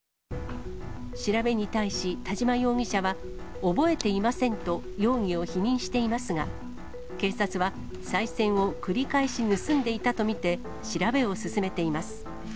調べに対し田島容疑者は、覚えていませんと容疑を否認していますが、警察はさい銭を繰り返し盗んでいたと見て、調べを進めています。